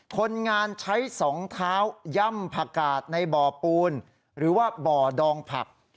คนงานใช้สองเท้าย่ำผักกาดในบ่อปูนหรือว่าบ่อดองผัก